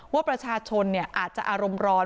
ว่าประชาชนอาจจะอารมณ์ร้อน